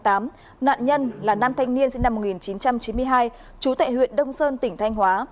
nạn nhân là nam thanh niên sinh năm một nghìn chín trăm chín mươi hai trú tại huyện đông sơn tỉnh thanh hóa